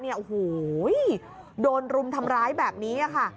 โอ้โหโดนรุมทำร้ายแบบนี้ค่ะ